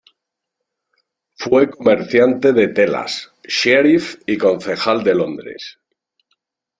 Fue comerciante de telas, sheriff y concejal de Londres.